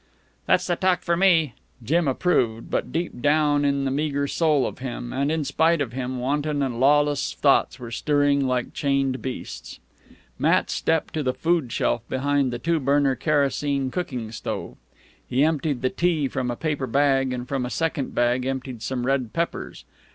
"That's the talk for me," Jim approved, but deep down in the meagre soul of him, and in spite of him, wanton and lawless thoughts were stirring like chained beasts. Matt stepped to the food shelf behind the two burner kerosene cooking stove. He emptied the tea from a paper bag, and from a second bag emptied some red peppers.